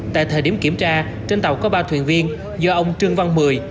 tại thời điểm kiểm tra trên tàu có ba thuyền viên do ông trương văn mười